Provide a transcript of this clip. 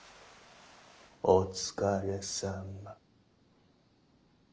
お疲れさまッ。